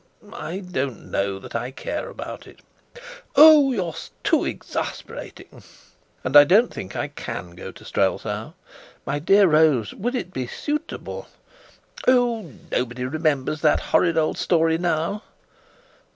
"I don't know that I care about it!" "Oh, you're too exasperating!" "And I don't think I can go to Strelsau. My dear Rose, would it be suitable?" "Oh, nobody remembers that horrid old story now."